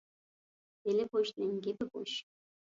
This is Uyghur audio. بېلى بوشنىڭ گېپى بوش.